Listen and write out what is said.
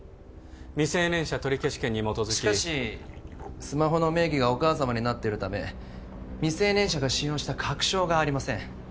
未成年者取消権に基づきしかしスマホの名義がお母様になっているため未成年者が使用した確証がありません